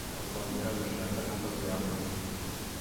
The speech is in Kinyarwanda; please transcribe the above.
bakongera gushaka nkuko byahose